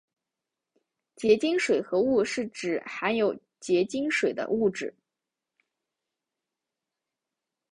结晶水合物是指含有结晶水的物质。